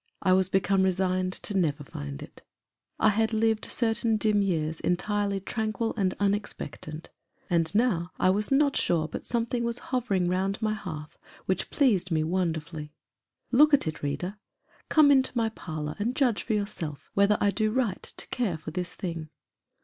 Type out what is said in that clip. I was become resigned never to find it. I had lived certain dim years entirely tranquil and unexpectant. And now I was not sure but something was hovering round my hearth which pleased me wonderfully. Look at it, reader. Come into my parlor and judge for your self whether I do right to care for this thing.